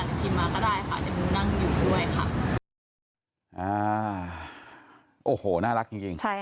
หรือพิมพ์มาก็ได้ค่ะอาจจะมูกนั่งอยู่ด้วยค่ะ